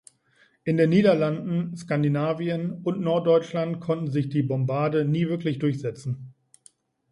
In den Niederlanden, Skandinavien und Norddeutschland konnte sich die Bombarde nie wirklich durchsetzen.